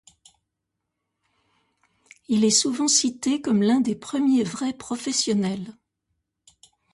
Il est souvent cité comme l'un des premiers vrais professionnels.